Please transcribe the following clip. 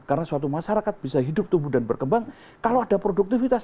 karena suatu masyarakat bisa hidup tumbuh dan berkembang kalau ada produktivitas